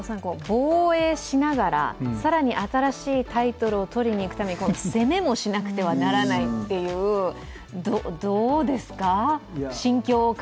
防衛しながら更に新しいタイトルを取りに行くために攻めもしなくてはならないっていうどうですか？